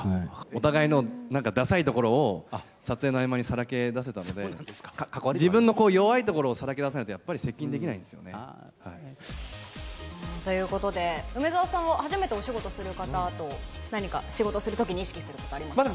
お互いのなんかださいところを撮影に合間にさらけ出せたので、自分の弱いところをさらけ出さないと、やっぱり接近できないんですよね。ということで、梅澤さんは初めてお仕事する方と、何か仕事するときに意識することありますか。